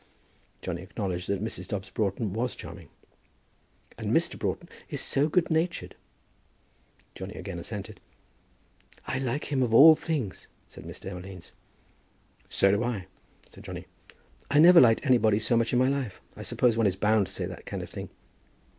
Johnny acknowledged that Mrs. Dobbs Broughton was charming. "And Mr. Broughton is so good natured!" Johnny again assented. "I like him of all things," said Miss Demolines. "So do I," said Johnny; "I never liked anybody so much in my life. I suppose one is bound to say that kind of thing."